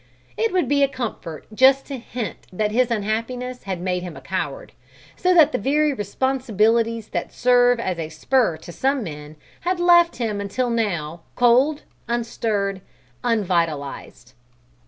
It would be a comfort just to hint that his unhappiness had made him a coward, so that the very responsibilities that serve as a spur to some men had left him until now cold, unstirred, unvitalized.